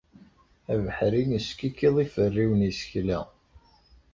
Abeḥri yeskikiḍ iferriwen n yisekla.